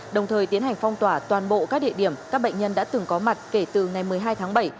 đồng thời tiến hành phong tỏa toàn bộ các địa điểm các bệnh nhân đã từng có mặt kể từ ngày một mươi hai tháng bảy